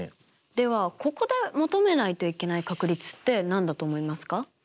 ではここで求めないといけない確率って何だと思いますか？